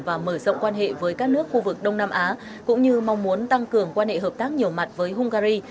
và mở rộng quan hệ với các nước khu vực đông nam á cũng như mong muốn tăng cường quan hệ hợp tác nhiều mặt với hungary